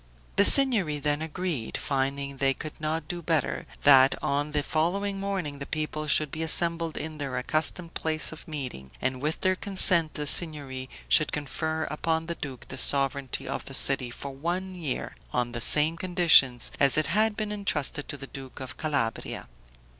The Signory then agreed, finding they could not do better, that on the following morning the people should be assembled in their accustomed place of meeting, and with their consent the Signory should confer upon the duke the sovereignty of the city for one year, on the same conditions as it had been intrusted to the duke of Calabria.